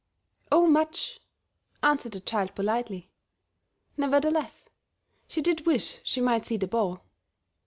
"Oh, much," answered the child, politely. Nevertheless, she did wish she might see the ball.